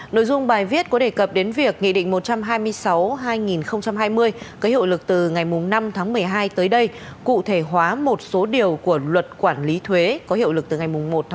nội dung bài viết có đề cập đến việc nghị định một trăm hai mươi sáu hai nghìn hai mươi có hiệu lực từ ngày năm tháng một mươi hai tới đây cụ thể hóa một số điều của luật quản lý thuế có hiệu lực từ ngày một một mươi hai